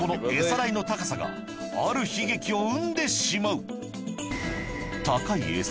代の高さがある悲劇を生んでしまう高いエサ